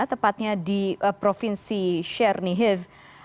tepatnya di provinsi chernihiv